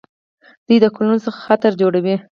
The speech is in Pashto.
دوی د ګلونو څخه عطر جوړوي.